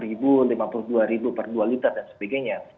lima puluh ribu lima puluh dua ribu per dua liter dan sebagainya